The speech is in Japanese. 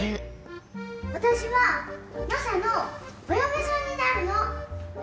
私はマサのお嫁さんになるの！